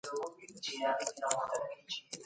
که زده کوونکی پلان ولري، وخت نه ضایع کېږي.